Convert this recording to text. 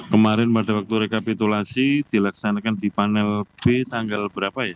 kemarin pada waktu rekapitulasi dilaksanakan di panel b tanggal berapa ya